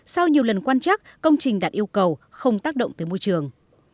sau nhiều lần quan chắc công trình đạt yêu cầu không tác động tới môi trường